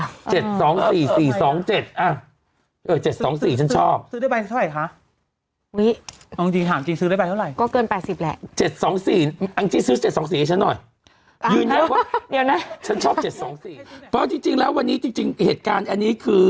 อ่ะเจ็ดสองสี่สี่สองเจ็ดอ่ะเจ็ดสองสี่ฉันชอบซื้อ